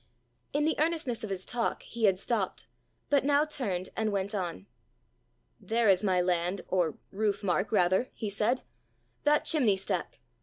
In the earnestness of his talk he had stopped, but now turned and went on. "There is my land , or roof mark rather!" he said, " that chimney stack!